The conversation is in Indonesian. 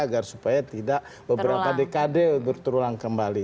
agar supaya tidak beberapa dekade bertulang kembali